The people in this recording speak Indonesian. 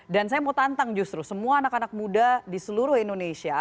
dan saya mau tantang justru semua anak anak muda di seluruh indonesia